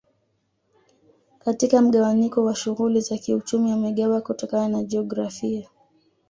Katika mgawanyiko wa shughuli za kiuchumi wamegawa kutokana na jiografia